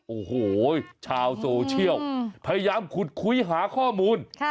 โอ้โหชาวโซเชียลพยายามขุดคุยหาข้อมูล